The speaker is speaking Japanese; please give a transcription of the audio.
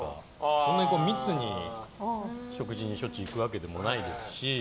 そんなに密に食事にしょっちゅう行くわけでもないですし。